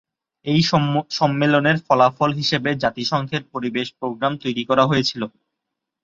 এই সম্মেলনের ফলাফল হিসাবে জাতিসংঘের পরিবেশ প্রোগ্রাম তৈরি করা হয়েছিল।